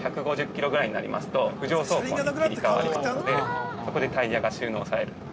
１５０キロぐらいになりますと浮上走行に切り替わりますのでそこでタイヤが収納されると。